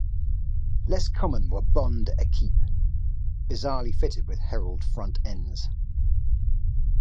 Less common were Bond Equipes, bizarrely fitted with Herald front ends.